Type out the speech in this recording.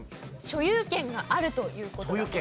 所有権があるという事だそうです。